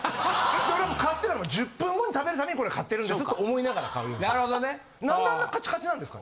俺はもう買ってから１０分後に食べるためにこれは買ってるんですと思いながら買うようにしてます。